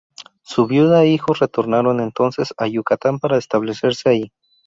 Su viuda e hijos retornaron entonces a Yucatán para establecerse ahí.